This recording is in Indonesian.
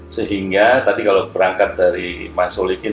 sehingga tadi kalau berangkat dari mas solihin